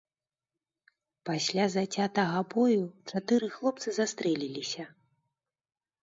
Пасля зацятага бою чатыры хлопцы застрэліліся.